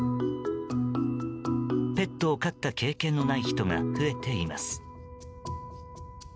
ペットを飼った経験のない人が増えています。